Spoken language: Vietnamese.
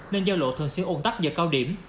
nên giao lộ thường xuyên ủng tắc do cao điểm